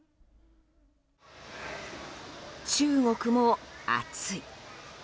中国も暑い。